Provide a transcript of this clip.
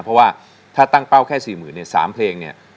เพราะว่าถ้าตั้งเป้าแค่๔๐๐๐เนี่ย๓เพลงเนี่ย